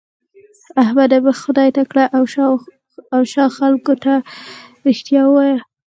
احمده! مخ خدای ته کړه او شا خلګو ته؛ رښتيا ووايه.